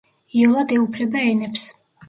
იოლად ეუფლება ენებს.